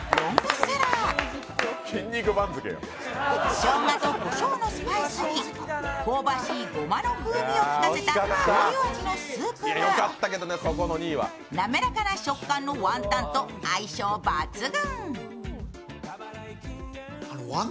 しょうがとこしょうのスパイスに香ばしいごまの風味を効かせたしょうゆ味のスープはなめらかな食感のワンタンと相性抜群。